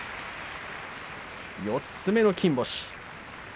４つ目の金星。